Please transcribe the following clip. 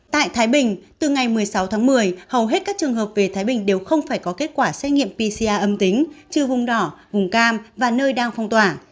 tại thái bình từ ngày một mươi sáu tháng một mươi hầu hết các trường hợp về thái bình đều không phải có kết quả xét nghiệm pcr âm tính trừ vùng đỏ vùng cam và nơi đang phong tỏa